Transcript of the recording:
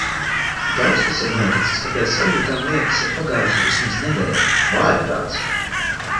Tik daudz kas ir noticis, ka pēc sajūtām liekas ir pagājusi vismaz nedēļa. Vājprāts!